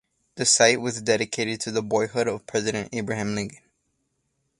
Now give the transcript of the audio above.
The site was dedicated to the boyhood of President Abraham Lincoln.